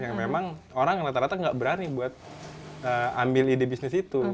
yang memang orang rata rata nggak berani buat ambil ide bisnis itu